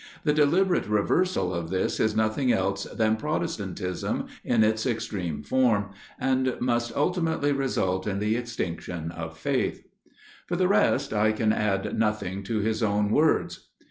The deliberate reversal of this is nothing else than Protestantism in its extreme form, and must ultimately result in the extinction of faith._ _For the rest, I can add nothing to his own words.